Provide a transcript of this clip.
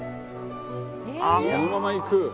「そのままいく？」